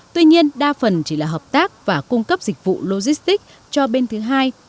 tuy nhiên đa phần chỉ là hợp tác và cung cấp dịch vụ logistics cho bên thứ hai